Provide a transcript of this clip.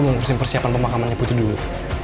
aku mau ngurusin persiapan pemakaman putri dulu